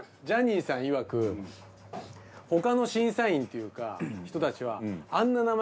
ジャニーさんいわく他の審査員というか人たちはあんな